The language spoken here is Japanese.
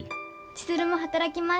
千鶴も働きます。